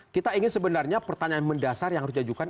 kita ingin sebenarnya pertanyaan mendasar yang harus diajukan